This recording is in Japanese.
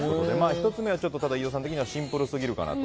１つ目は飯尾さん的にはシンプルすぎるかなと。